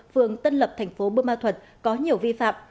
phương tân lập tp bumathuat có nhiều vi phạm